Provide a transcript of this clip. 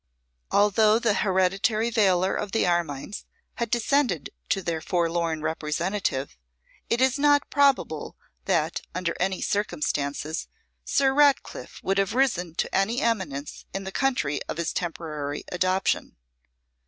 Although the hereditary valour of the Armines had descended to their forlorn representative, it is not probable that, under any circumstances, Sir Ratcliffe would have risen to any eminence in the country of his temporary adoption.